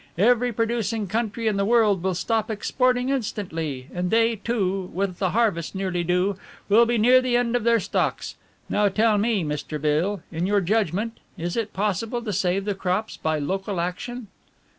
Every producing country in the world will stop exporting instantly, and they, too, with the harvest nearly due, will be near the end of their stocks. Now tell me, Mr. Beale, in your judgment, is it possible to save the crops by local action?"